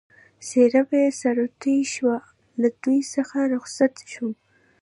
څېره به یې سره توی شوه، له دوی څخه رخصت شوم.